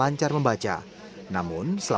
enggak enggak pernah ngeluh